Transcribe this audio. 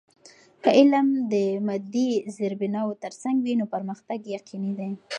که علم د مادی زیربناوو ترڅنګ وي، نو پرمختګ یقینی دی.